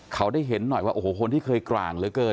เขาได้เห็นหน่อยว่าโอ้โหคนที่เคยกลางเหลือเกิน